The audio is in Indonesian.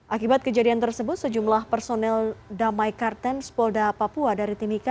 akibat kejadian tersebut sejumlah personel damai kartens polda papua dari timika